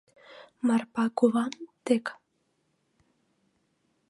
Марпа кувамыт дек?